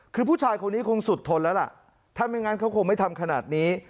คือผู้ชายคนนี้คงสุดทนแล้วล่ะถ้าไม่งั้นเขาคงไม่ทำขนาดนี้